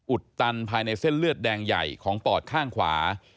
อุดตันภายในเส้นเลือดแดงใหญ่ของปอดข้างขวา